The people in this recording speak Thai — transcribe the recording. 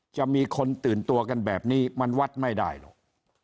จะมีคนตื่นตัวกันแบบนี้มันวัดไม่ได้หรอก